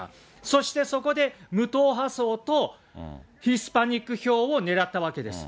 そして、そこで無党派層とヒスパニック票を狙ったわけです。